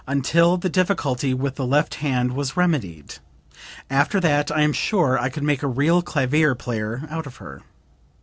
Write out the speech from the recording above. until the difficulty with the left hand was remedied; after that I am sure I could make a real clavier player out of her.